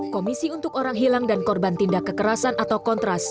komisi untuk orang hilang dan korban tindak kekerasan atau kontras